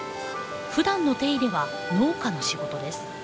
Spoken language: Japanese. ふだんの手入れは農家の仕事です。